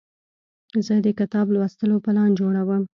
زه د کتاب لوستلو پلان جوړوم.